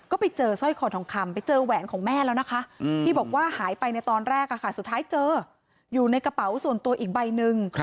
ก็ไปเจอสร้อยคอทองคำไปเจอแหวนของแม่แล้วนะคะที่บอกว่าหายไปในตอนแรกสุดท้ายเจออยู่ในกระเป๋าส่วนตัวอีกใบหนึ่ง